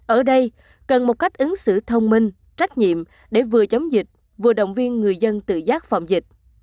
ở đây cần một cách ứng xử thông minh trách nhiệm để vừa chống dịch vừa động viên người dân tự giác phòng dịch